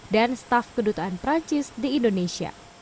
dan staf kedutaan perancis di indonesia